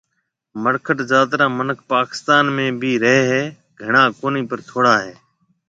مڙکٽ ذات را مِنک پاڪستان ۾ بهيَ رهيَ هيَ گھڻا ڪونِي پر ٿوڙا هيَ